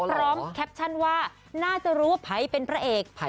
พร้อมแคปชั่นว่าน่าจะรู้ว่าไภเป็นพระเอก